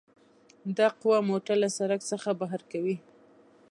دا قوه موټر له سرک څخه بهر کوي